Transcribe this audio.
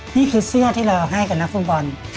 นี่คือเสื้อที่เราให้กับนักฟุตบอล